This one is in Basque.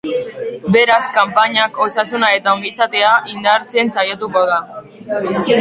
Beraz, kanpainiak osasuna eta ongizatea indartzen saiatuko da.